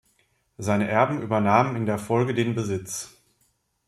Seine Erben übernahmen in der Folge den Besitz.